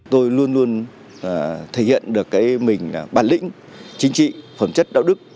tôi luôn luôn thể hiện được cái mình là bản lĩnh chính trị phẩm chất đạo đức